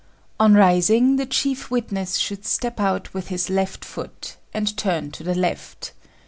On rising, the chief witness should step out with his left foot and turn to the left.